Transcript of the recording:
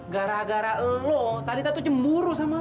gara gara lo talitha tuh cemburu sama lo